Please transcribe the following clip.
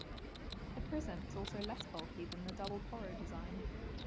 The prism is also less bulky than the double Porro design.